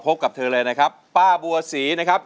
กับเธอเลยนะครับป้าบัวศรีนะครับ